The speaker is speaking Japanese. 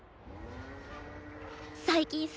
最近さ。